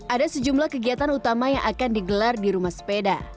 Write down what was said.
ada sejumlah kegiatan utama yang akan digelar di rumah sepeda